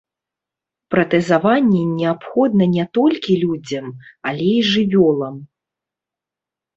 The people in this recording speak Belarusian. Пратэзаванне неабходна не толькі людзям, але і жывёлам.